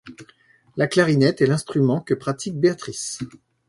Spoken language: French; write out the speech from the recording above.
La clarinette est l'instrument que pratique Béatrice.